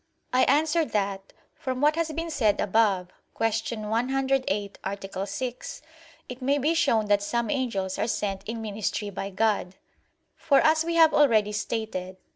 I answer that, From what has been said above (Q. 108, A. 6), it may be shown that some angels are sent in ministry by God. For, as we have already stated (Q.